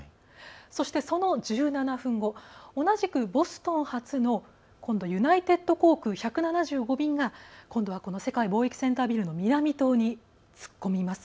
そして、その１７分後同じくボストン発の今度はユナイテッド航空１７５便が世界貿易センタービルの南棟に突っ込みます。